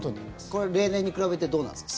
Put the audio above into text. これ、例年に比べてどうなんですか？